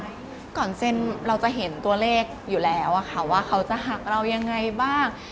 ใช่ก่อนเซ็นเราจะเห็นตัวเลขอยู่แล้วอะค่ะว่าเขาจะหักเรายังไงบ้าง